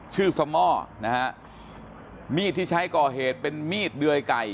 สม่อนะฮะมีดที่ใช้ก่อเหตุเป็นมีดเดยไก่